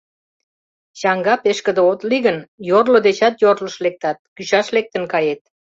Чаҥга-пешкыде от лий гын, йорло дечат йорлыш лектат, кӱчаш лектын кает.